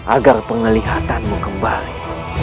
agar pengelihatanmu kembali